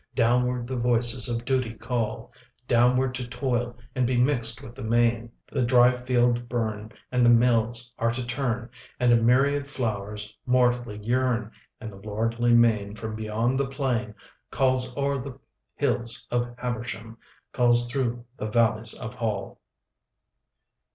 Downward the voices of Duty call; Downward to toil and be mixed with the main. The dry fields burn and the mills are to turn, And a myriad flowers mortally yearn, And the lordly main from beyond the plain Calls o'er the hills of Habersham, Calls through the valleys of Hall.